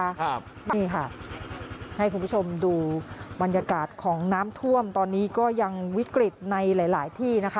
ครับนี่ค่ะให้คุณผู้ชมดูบรรยากาศของน้ำท่วมตอนนี้ก็ยังวิกฤตในหลายหลายที่นะคะ